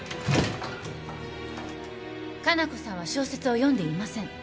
加奈子さんは小説を読んでいません。